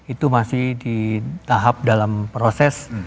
itu masih di tahap dalam proses